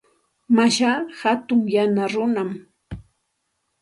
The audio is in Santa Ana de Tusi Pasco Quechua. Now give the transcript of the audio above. Mashaa hatun yana runam.